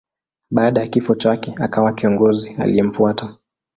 Baada ya kifo chake akawa kiongozi aliyemfuata.